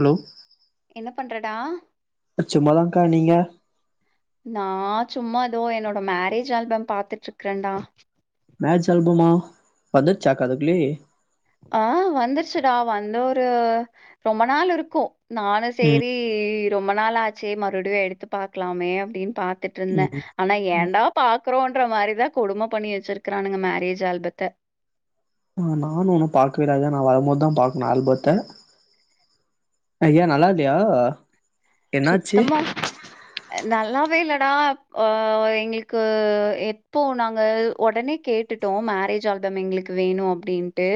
Hello என்ன பண்றடா சும்மாதா க்கா நீங்க நான் சும்மா எதோ என்னோட மேரேஜ் ஆல்பம் பாத்துட்டு இருக்கறேன்டா மேட்ஜ் அல்பமா வந்துச்சாக்க அதுக்குலே ஆஹ் வந்துருச்சுடா வந்து ஒரு ரொம்ப நாள் இருக்கு நானும் ம் செரி ரொம்ப நாள ஆச்சே மறுபடியு எடுத்து பாக்கலாமே அப்டின்னு பா த்துட்டு இருந்தே ம் ஆனா ஏண்டா பார்றோன் டற மாதிரிதா கொடுமை பண்ணி வச்சிருக்கறானுங்க மேரேஜ் ஆல்பத்த ஆ நானு ஒண்ணு பாக்கவே இல்ல ஏ நா வரும்போதுதா பாக்கனு ஆல்பத்த ஐயா நல்லா இல்லயா சுத்தமா நல்லாவே இல்லடா ஆ எங்களுக்கு எப்போ நாங்க உடனே கே ட்டுட்டோ மேரேஜ் ஆல்பம் எங்ளுக்கு வேணு அப்டின்ட்டு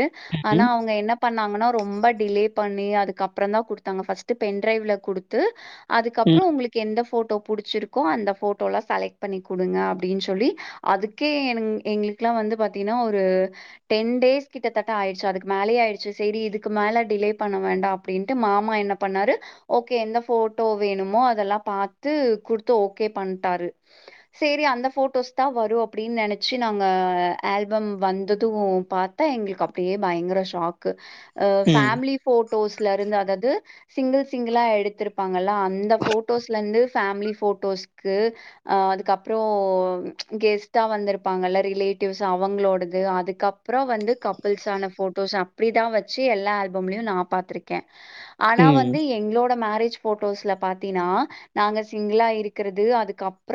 ஆனா ம் அவங்க என்ன பண்ணாங்கனா ரொம்ப டிலே பண்ணி அதுக்கப்புறந்தா குடுத்தாங்க ஃபஸ்ட் பென் டிரைவ்ல குடுத்து அதுக்கப்புற ம் உங்ளுக்கு எந்த ஃபோட் டோ புடிச்சிருக்கோ அந்த ஃபோட்டோலா செலக்ட் பண்ணி குடுங்க அப்டினு சொல்லி அதுக்கே எங் எங்ளுக்லா வந்து பாத்திங்கனா ஒரு டென் டேஸ் கிட்டத்தட்ட ஆயிடுச்சு அதுக்கு மேலே ஆயிடுச்சு செரி இதுக்கு மேல டிலே பண்ண வேண்டா அப்டின்ட்டு மாமா என்ன பண்ணாரு ஓகே எந்த ஃபோட்டோ வேணுமோ அதெல்லா பாத்து குடுத்து ஓகே பண்ட்டாரு சேரி அந்த ஃபோட்டோஸ் தா வரு அப்டின் நெனைச்சு நாங்க ஆல்பம் வந்தது பாத்தா எங்களுக்கு அப்டியே பயங் கர ஷாக்கு ம் ஃபேமிலி ஃபோட்டோஸ்ல இருந்து அதாது சிங்கிள் சிங்கிளா எடுத்திருப் ப்பாங்க அந்த ஃபோட்டோஸ்ல இருந்து ஃபேமிலி ஃபோட்டோஸ்க்கு அதுக்கப்புற கெஸ்ட்டா வந்திருப்பாங்கல ரிலேட்டிவ்ஸ் அவங்களோடது அதுக்கப் பற வந்து கப்புள்ஸான ஃபோட்டோஸ் அப்டி தா வச்சு எல்லா ஆல்பம்லயு நா பாத்துருக்கே ஆனா ம் வந்து எங்களோட மேரேஜ் ஃபோட்டோஸ்ல பாத்தினா நாங்க சிங்கிளா இருக்கிறது அதுக்கப்புற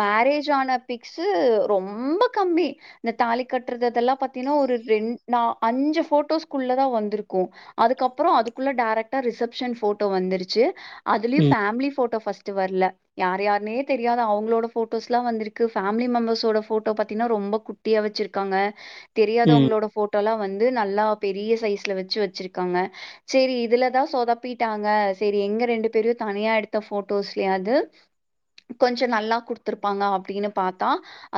மே ரேஜ் ஆன பிக்ஸு ரொம்ப கம்மி இந்த தாலி கட்றது இதெல்லா பாத்தினா ஒரு ரெண் நா அஞ்சு ஃபோட்டோஸ்குள்ள தா வந்துருக்கு அதுக்கப்பற அதுக்குள்ள டைரக்டா ரிசப்ஷன் ஃபோட் டோ வந்துருச்சு அதுலயு ம் ஃபேமிலி ஃபோட்டோ ஃபஸ்ட் வர்ல யார் யார்னே தெரியாத அவங்களோட ஃபோட்டோ ஸ்லா வந்துருக்கு ஃபேமிலி மெம்பர்ஸோட ஃபோட்டோ பாத்தினா ரொம்ப குட்டியா வச்சிருக்காங்க ம் தெரியாதவங்களோட ஃபோட்டோலா வந் து நல்லா பெரிய சைஸ்ல வச்சு வச்சிருக்காங்க செரி இதுல தா சொதப்பி ட்டாங்க செரி எங்க ரெண்டு பேரையு தனியா எடுத்த ஃபோட்டோஸ்லயாது கொஞ்ச நல்லா குடுத்துருப்பாங்க அப்டினு பாத்தா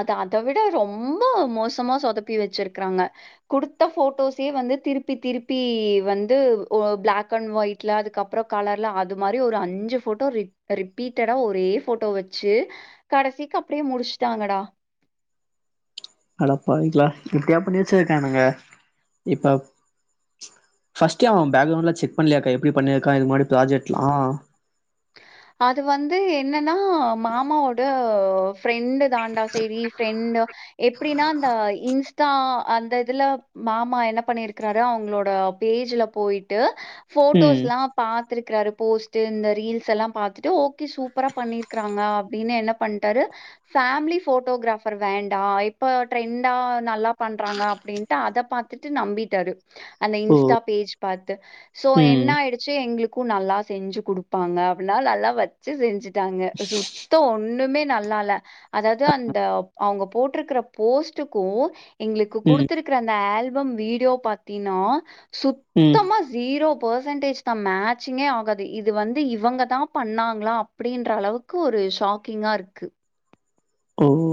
அது அத விட ரொம்ப மோசமா சொதப்பி வச்சிருக்றாங்க குடுத்த ஃபோட்டோஸே வந்து திருப்பி திருப்பி வந்து ஒ பிளாக் அண்ட் வைட் ல அதுக்கப்புற கலர்ல அது மாரி ஒரு அஞ்சு ஃபோட்டோ ரிப் ரிப்பீட்டடா ஒரே ஃபோட்டோ வச்சு கடைசிக்கு அப்டியே முடிச்ட்டாங்கடா அடப்பாவிங்ளா இப்டியா பண்ணி வச்சிருக்கானுக இப்ப ஃபஸ்ட்டே அவ பேக்ரவுண்ட்லா செக் பண்ணலயாக்கா எப்டி பண்ணிருக்கா இதுக்கு முன்னாடி ப்ராஜெக்ட்லா அது வந்து என்னனா மாமாவோட ஃப்ரெண்டு தாண்டா சேரி ஃப்ரெண்டு எப்டினா அந்த இன்ஸ்டா அந்த இதுல மாமா என்ன பண்ணிருக்கறாரு அவங்ளோட பேஜ்ல போய்ட்டு ம் ஃபோட்டோஸ்லா பாத்துருக்கறாரு போஸ்ட் இந்த ரீல் செல்லா பாத்துட்டு ஓகே சூப்பரா பண்ணிருக்றாங்க அப்டினு என்ன பண்ட்டாரு ஃபேமிலி ஃபோட்டோகிராஃப் அப்பற வேண்டா இப்ப ட்ரெண்டா நல்லா பண்றாங்க அப்டின்ட்டு அத பாத்துட்டு நம்பிட்டாரு. அந்த ஓ இன்ஸ்டா பேஜ் பாத்து சோ என்ன ம் ஆய்டுச்சு எங்ளுக் கு நல்லா செஞ்சு குடுப்பாங்க அப்டினா நல்லா வச்சு செஞ்சுட்டாங்க சுத்தோ ஒண் ணுமே நல்லால அதாது அந்த அவுங்க போட்ருக்கற போஸ்ட்டுக்கு எங்ளுக்கு ம் குடுத்துருக்கிற அந்த ஆல்பம் வீடியோ பாத்தினா ம் சுத்தமா ஜீரோ பர்சன்டேஜ்தா மேட்ச்சிங்கே ஆகாது இது வந்து இவங்க தா பண்ணாங்ளா அப்டின்றளவுக்கு ஒரு ஷாக்கிங்கா இருக்கு. ஓ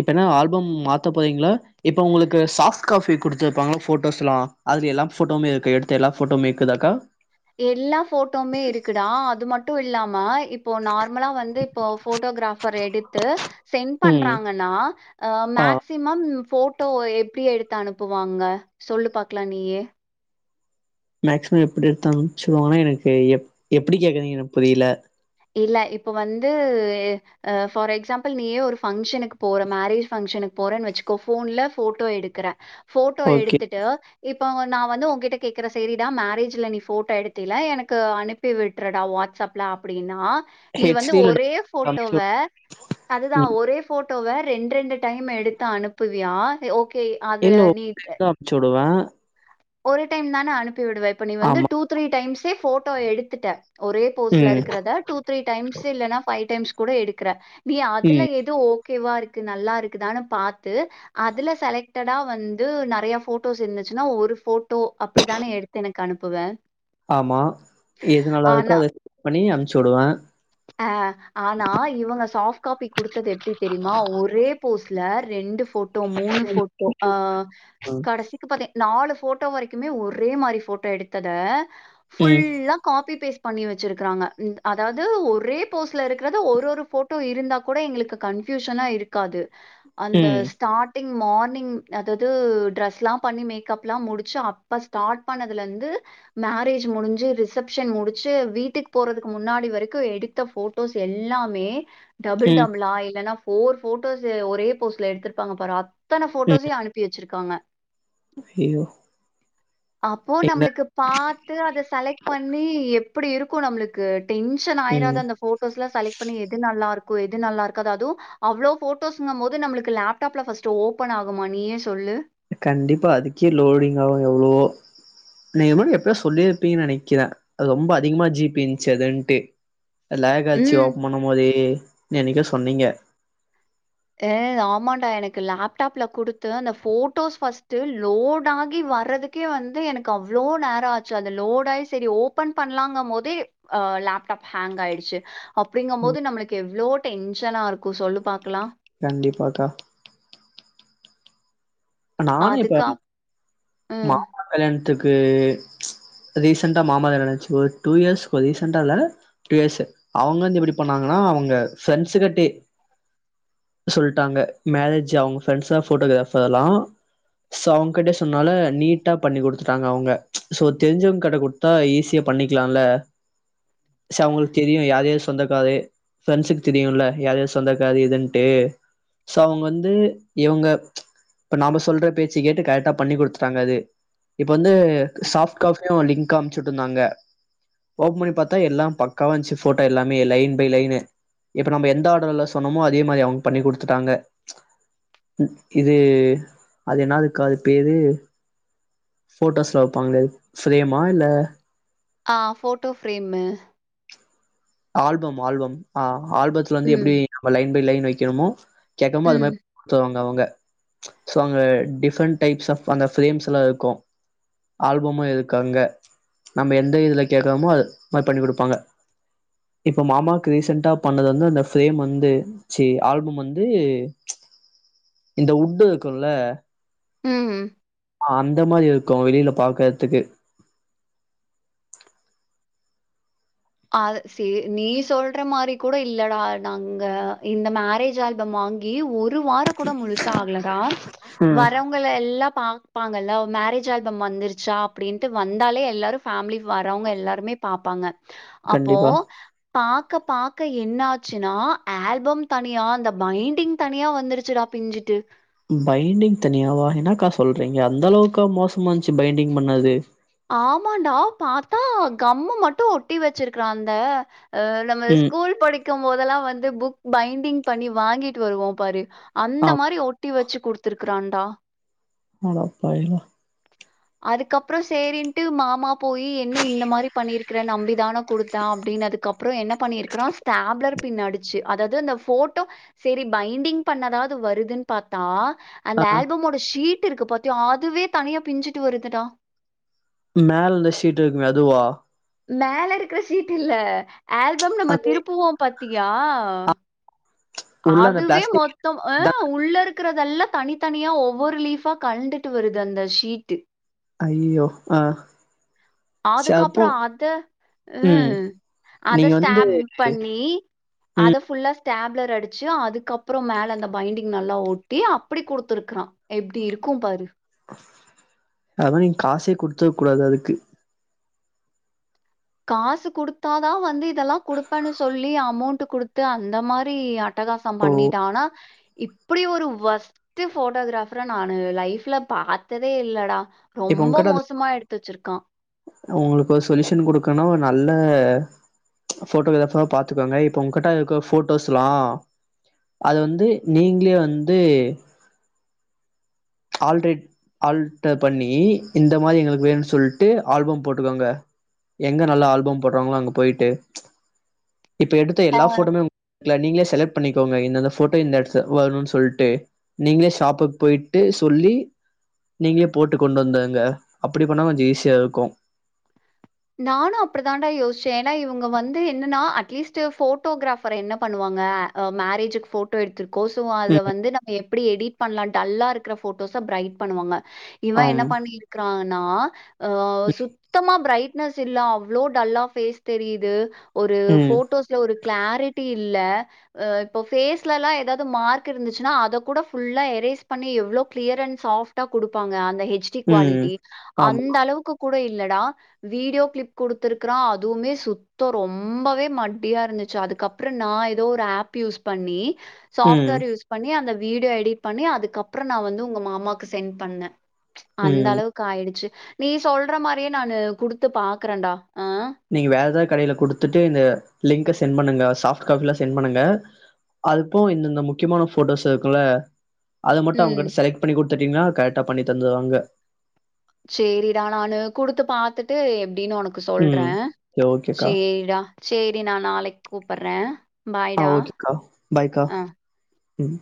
இப்ப என்ன ஆல்பம் மாத்த போறிங்ளா இப்ப உங்களுக்கு சாஃப்ட் காபி குடுத்துருப்பாங்கள ஃபோட்டோஸ்லா அதுல எல்லா ஃபோட்டோமே இருக்கா எடுத்த எல்லா ஃபோட்டோமே இக்குதாக்கா? எல்லா ஃபோட்டோமே இருக்குடா அது மட்டு இல்லாம இப்போ நார் மலா வந்து இப்போ ஃபோட்டோகிராபர் எடுத்து சென்ட் ம் பண்றாங்கனா அ ஆ மேக்சிமம் ஃபோட்டோ எப்டி எடுத்து அனுப்புவாங்க சொல்லு பாக்லா நீயே மேக்சிமம் எப்டி எடுத்து அனுப்ச்சுவாங்கனா எனக்கு எப்பிடி கேக்கறிங்க எனக்கு புரில இல்ல இப்ப வந்து ஃபார் எக்ஸாம்பிள் நீயே ஒரு ஃபங்க்ஷனுக்கு போற மேரேஜ் ஃபங் ஷனுக் போறேனு வச்சுக்கோ ஃபோன்ல ஃபோட்டோ எடுக்கற ஃபோட்டோ ஓகே எடுத்துட்டு இப் ப நா வந்து உங்கிட்ட கேக்கற செரிடா மேரேஜ்ல நீ ஃபோட்டோ எடுத்தீல எனக்கு அனுப்பி விட்ருடா வாட்ஸ் அப்ல அப் ப்டினா நீ ஹெச் வந்து டி ல ஒரே ஃபோட்டோவ அனுப்ச்சு அதுதா ம் ஒரே ஃபோட் டோவ ரெண்ரெண்டு டைம் எடுத்து அனுப்புவியா ஓகேய் அதுல இல்ல நீட் அனுப்ச்சு வுடுவே ஒரு டைம் தானே அனுப்பி விடுவ இப்ப நீ வந்து ஆமா டூ த்ரீ டைம்ஸே ஃபோட்டோ எடுத்துட்ட ஒரே போஸ்ல ம் இருக்கறத டூ த்ரீ டைம்ஸு இல்லனா ஃபைவ் டைம்ஸ் குட எடுக்கற நீ அதுல ம் எது ஓக் கேவா இருக்கு நல்லா இருக்குதானு பாத்து அதுல செலக்டடா வந்து நெறையா ஃபோட்டோஸ் இருந்துச் சுனா ஒரு ஃபோட்டோ அப்டிதானே எடுத்து எனக்கு அனுப்புவ ஆமா எதுநல்லாருக்கோ ஆனா அத பண்ணி அனுப்ச்சுடுவே அ ஆனா இவங்க சாஃப்ட் காபி குடுத்தது எப்டி தெரிமா ஒரே போஸ்ல ரெண்டு ஃபோட்டோ மூனு ஃபோட்டோ ஆ ம் கடசிக்கு பாத்தே நாலு ஃபோட்டோ வரைக்குமே ஒரே மாரி ஃபோட்டோ எடுத்தத ம் ஃபுல்லா காபி பேஸ்ட் பண்ணி வச்சிருகறாங்க அதா து ஒரே போஸ்ல இருக்கறது ஒரு ஒரு ஃபோட்டோ இருந்தா கூட எங்ளுக்கு கன்ஃபியூஷனா இருக்காது அந்த ம் ஸ்டார்டி ங் மார்னிங் அதாது ட்ரஸ்லா பண்ணி மேக்கப்லா முடிச்சி அப்ப ஸ்டார்ட் பண்ணதுலந்து மேரேஜ் முடிஞ்சி ரிசப்ஷன் முடிச்சி வீட்டுக்கு போறதுக்கு முன்னாடி வரைக் க்கு எடுத்த ஃபோட்டோஸ் எல்லாமே டபுள் ம் டபுளா இல்லனா ஃபோர் ஃபோட்டோஸு ஒரே போஸ்ல எடுத்துருப்பாங்க பாரு அத்தன ஃபோட்டோஸயு அனுப்பி வச்சிருக்காங்க ஐயயோ அப்போ நம்ளுக்கு பாத்து அத செலக்ட் பண்ணீ எப்டி இருக்கு நம்ளுக்கு டென் ஷன் ம் ஆய்ராதா அந்த ஃபோட்டோஸ்லா செலக் பண்ணி எது நல்லாருக்கோ எது நல்லாருக்காதோ அது அவ்ளோ ஃபோட்டோஸ்ங்கமோது நம்ளுக்கு லேப்டாப்ல ஃபர்ஸ்டு ஓபனா குமா நீயே சொல்லு கண்டிப்பா அதுக்கே லோடிங்காவு எவ்ளவோ நீங்கமுனாடி எப்பயோ சொல்லிருப்பீங்கனு நெனைக்கிற அது ரொம்ப அதிகமா ஜீ பீ இருன்ச்சி அதுன்ட்டு லேகாச்சி ம். ஓபன் பண்ணும்போதே என்னைக்கோ சொன்னீங்க ஏ ஆமாண்டா எனக்கு லேப்டாப்ல குடுத்து அந்த ஃபோட்டோஸ் ஃபர்ஸ்டு லோட் ஆகி வறதுக்கே வந்து எனக்கு அவ்ளோ நேரோ ஆச்சி அது லோடாயி செரி ஓபன் பண்ணலாங்கபோதே லேப்டாப் ஹேங் ஆயிட்ச்சி அப்டிங்க ம், மோது நம்ளுக்கு எவ்ளோ டென்ஷனா இருக்கு சொல்லு பாக்லா கண்டிப்பா கா நானு இப்ப அதுக்கப் ம். மாமா கல்யாணத்துக்கு ரீசென்டா மாமா கல்யாண நடந்துச்சு ஒரு டூ இயர்ஸ் ஒரு ரீசென்டா இல்ல டூ இயர்ஸ் அவுங்க வந்து எப்டி பண்ணாங் கனா அவுங்க ஃப்ரெண்ட்ஸு கிட்டே சொல்ட்டாங்க மேரேஜ் அவுங்க ஃப்ரெண்ட்ஸ் தா போட்டோகிராபர் எல்லா சோ அவங் கிட்ட சொன்னால நீட்டா பண்ணி குடுத்துட்டாங்க அவங்க சோ தெரிஞ்சவங்கட குடுத்தா ஈஸியா பண்ணிக்லால சோ அவுங்ளுக்கு தெரியு யார்யாரு சொந்தக்காரு ஃப்ரெண்ட்ஸுக்கு தெரியுல யார்யாரு சொந்தக்காரு எதுன் ட்டு சோ அவங்க வந்து இவங்க இப்ப நாம சொல்ற பேச்ச கேட்டு கரெட்டா பண்ணி குடுத்துட்டாங்க அது இப்ப வந்து சாஃப்ட் காபியு லிங் அம்ச்சுட்ருந்தாங்க ஓபன் பண்ணி பாத்தா எல்லா பக்காவா இருந்துச்சு போட்டோ எல்லாமே லைன் பை லைனு இப்ப நம்ப எந்த ஆர்டர்ல சொன்னோமோ அதே மாரி அவங்க பண்ணி குடுத்துட்டாங்க இது அது என்னாது கா அது பேரு போட்டோஸ்லா வப்பாங்களே ஃப்ரேமா இல்ல ஆ போட்டோ ஃப்ரேமு ஆல்பம் ஆல்பம் ஆ ஆல்பத்துல வந்து ம், எப்டி நம்ப லைன் பை லைன் வைக்கனுமோ கேக்கமோது அது ம், மாரி குடுத்துருவாங்க அவங்க சோ அங்க டிஃப்ரெண்ட்ஸ் டைப்ஸ் ஆப் அந்த ஃப்ரேம்ஸ்லா இருக்கு ஆல்பமு இருக்கு அங்க நம்ப எந்த இதுல கேக்கறமோ அது மாரி பண்ணி குடுப்பாங்க இப்ப மாமாக்கு ரீசன்டா பண்ணது வந்து அந்த ஃப்ரேம் வந்து சி ஆல்பம் வந்து இந்த வுட்டு இருக்குல்ல ம் ஆ அந்த மாரி இருக்கு வெளியில பாக்கறதுக்கு அது சே நீ சொல்ற மாரி கூட இல்லடா நாங்க இந்த மேரேஜ் ஆல்பம் மா வாங்கி ஒரு வாரோ கூட முழுசா ஆகலடா ம் வரவங்கல எல்லா பா ப்பாங்கல்ல மேரேஜ் ஆல்பம் வந்துருச்சா அப்படின்ட்டு வந்தாலே எல்லாரு ஃபேமிலி வரவங்க எல்லாருமே பாப்பாங்க அப்போ கண்டிப்பா பாக்க பாக்க என்ன ஆச்சுனா ஆல்பம் தனியா அந்த பைண்டிங் தனியா வந்துருச்சுடா பிஞ்சிட்டு பைண்டிங் தனியாவா என்னாக்கா சொல்றீங்க அந்தளவுக்கா மோசமா இந்ச்சு பைண்டிங் பண்ணது ஆமான்டா பாத்தா கம்மு மட்டு ஒட்டி வெச்சிருக்கறான் அந்த அ நம்ம ம் ஸ்கூல் படிக்கும்போதெல்லா வந்து புக் பைண்டிங் பண்ணி வாங்கிட்டு வருவோம் பாரு அந்த ஆம் மாரி ஒட்டி வெச்சு குடுத்துருக்கான்டா அடப்பாவிங்ளா அதுக்கப்றோ சேரின்ட்டு மாமா போய் என்ன இந்த மாரி பண்ணிருக்கிற நம்பி தான குடுத்த அப்டி ன்னதுக்கப்றோ என்ன பண்ணியிருக்கிறான் ஸ்டாப்லர் பின் அடிச்சு அதாது அந்த போட்டோ சேரி பைண்டிங் பண் ணாதாது வருதுன்னு பாத்தா அந்த ஆ ஆல்பமோட ஷீட் இருக்கு பாத்தியா அதுவே தனியா பிஞ்சிட்டு வருதுடா மேல இந்த ஷீட்டு இருக்குமே அதுவா மேல இருக்கிற ஷீட் இல்ல ஆல்பம் நம்ம அது திருப்புவோம் பாத்தியா உள்ள அந்த அதுவே பிளாஸ்டிக் மொத்த அ அதா உள்ள இருக்கிறதெல்லா தனித்தனியா ஒவ்வொரு லீஃபா கலண்டுட்டு வருது அந்த ஷீட்டு அய்யயோ ஆ ச அப்போ அதுக்கப்பறோ அத ஹு ம் அத நீங்க வந்து ஸ்டாப் பண்ணி ம். அத ஃபுல்லா ஸ்டாப்லர் அடி ச்சு அதுக்கப்பறோம் மேல அந்த பைண்டிங் நல்லா ஒட்டி அப்படி குடுத்திருக்கிறான் எப்டி இருக்கும் பாரு அதா நீங்க காசே குடுத்துருக்க கூடாது அதுக்கு காசு குடுத்தாதா வந்து இதெல்லா குடுப்பன்னு சொல்லி அமௌண்ட் குடுத்து அந்த மாரி அ ட்டகாசம் இப்போ பண்ணிட்டான் ஆனா இப்படி ஒரு வொஸ்ட்டு ஃபோட்டோகிராஃபர நானு லைஃப்ல பாத்ததே இல்லடா இப்ப ரொம்ப உங்கிட்ட மோசமா எடுத்து வச்சிருக்கான். உங்களுக்கு ஒரு சொல்யூஷன் குடு கனு நல்ல போட்டோகிராப்ரா பாத்துக்கோங்க இப்ப உங்க கிட்ட இருக்க போட்டோஸ்ல்லா அது வந்து நீங்ளே வந்து ஆல்ட்ரேட் ஆல்டர் பண்ணி இந்த மாரி எங்களுக்கு வேணுன் சொல்ட்டு ஆல்பம் போட்டுக்கோங்க எங்க நல்லா ஆல்பம் போடுறாங்ளோ அங்க போயிட்டு இப்ப எடுத்த எல்லா போட்டோமே உங் கள நீங்களே செலக் ட் பண்ணிக்கோங்க இந்தந்த போட்டோ இந்த இடத்து வருன் சொல்ட்டு நீங்ளே ஷாப்புக்கு போய் ட்டு சொல்லி நீங்ளே போட்டு கொண்டு வந்துருங்க அப்படி பண்ணா கொஞ்சோ ஈஸியா இருக்கு நானு அப்படிதாண்டா யோசிச்ச ஏனா இவுங்க வந்து என்னனா அட்லீஸ்ட்டு போட்டோகிராஃபர் என்ன பண்ணுவா ங்க அ மேரேஜுக்கு போட்டோ எடுத்திரு கோசுவோ அத ம். வந்து நம்ம எப்டி எடிட் பண்லான்ட்டு டல்லா இருக்கிற போட்டோஸ ப்ரைட் பண்ணுவாங்க இவன் என்ன ஆம். பண்ணி இருக்கிறானா ஆ சுத்தமா பிரை ட்னஸ் இல்ல அவ்ளோ டல்லா ஃபேஸ் தெரிது ஒரு ம். போட்டோஸ்ல ஒரு கிளாரிட்டி இல்ல எ இப்போ ஃபேஸ்ல எல்லா எதாவது மார்க் இருந்துச்சுன்னா அத கூட ஃபுல்லா எ ரேஸ் பண்ணி எவ்ளோ க்ளியர் அண்ட் சாஃப்டா குடுப்பாங்க அந்த திஷ்டி ம். குவாலிட்டி அந்த ஆமா. அளவுக்கு கூட இல்லடா வீடியோ கிளிப் குடுத்துருக்கிறா அதுவுமே சுத்தோ ரொம்பவே மட்டியா இருந்துச்சு அதுக்கப்பறோ நா அ எதோ ஒரு ஆப் யூஸ் பண்ணி ம், சாஃப்ட்வேர் யூஸ் பண்ணி அந்த வீடியோ எடிட் பண்ணி அதுக்கப்றோ நா உங்க மாமாக்கு செண்ட் பண்ணே ம். அந்தளவுக்கு ஆயிடிச்சு நீ சொல்ற மாரியே நானு குடுத்து பாக்குறேன்டா ஆ. நீங்க வேற ஏதாவது கடையில குடுத்துட்டு இந்த லிங்க்க சென்ட் பண்ணுங்க சாஃப்ட் காப்பிலா சென்ட் பண்ணுங்க அதுப்போ இந்தந்த முக்கியமான ஃபோட்டோஸ் இருக்குல்ல அது மட்டு ம். அவுங்கட்ட செலக்ட் பண்ணி குடுத்துட்டீங்னா கரெக்டா பண்ணி தந்துருவாங்க சேரிடா நானு குடுத்து பாத்துட்டு எப் டின்னு உனக்கு சொல்றே ம். சரி ஓகேக்கா. சேரிடா சேரி நா நாளைக் கூப்பர்றே ஆ ஓகேக்கா பாய்கா ம்